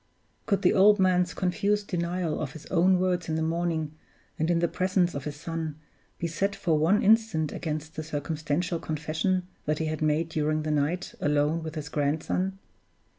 Could the old man's confused denial of his own words in the morning, and in the presence of his son, be set for one instant against the circumstantial confession that he had made during the night alone with his grandson?